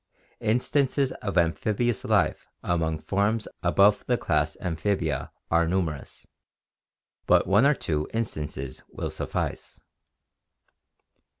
Instances of amphibious life among forms above the class Amphi bia are numerous, but one or two instances will suffice.